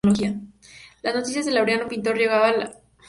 Las noticias del laureado pintor llegaban con asiduidad a Valencia.